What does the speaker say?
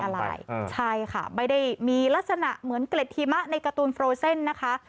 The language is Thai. มันก็มีรวดลายค่ะไม่ได้มีลักษณะเหมือนเกรดหิมะในการ์ตูนฟรูเซนนะค่ะ